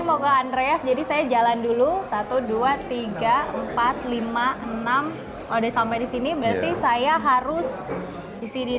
sama andreas jadi saya jalan dulu satu ratus dua puluh tiga ribu empat ratus lima puluh enam udah sampai di sini berarti saya harus di sini